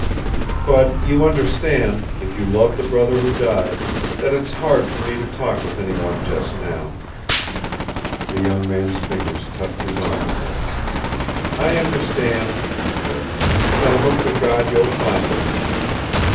But you understand if you loved the brother who died that it's hard for me to talk with anyone just now." The young man's fingers touched his arm again. "I understand," he said, "and I hope to God you'll find her."